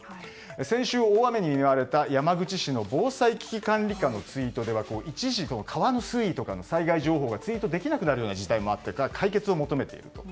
先週、大雨に見舞われた山口市の防災危機管理課のツイートでは一時川の水位とかの災害情報がツイートできなくなるような事態もあって解決を求めていると。